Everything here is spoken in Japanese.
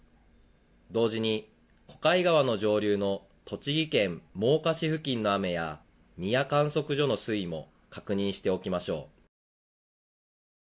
同時に小貝川の上流の栃木県真岡市付近の雨や三谷観測所の水位も確認しておきましょう。